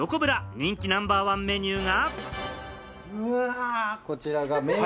人気ナンバーワンメニューが。